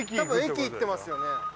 たぶん駅行ってますよね。